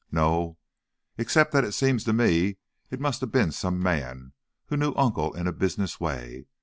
"No; except that it seems to me it must have been some man who knew Uncle in a business way.